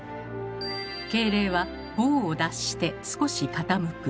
「敬礼は帽を脱して少し傾く」。